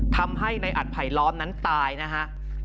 ทำให้ในอัดไผลล้อมนั้นตายนะฮะ